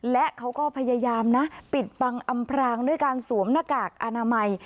และเขาก็พยายามนะปิดบังอำพรางด้วยการสวมหน้ากากอนามัย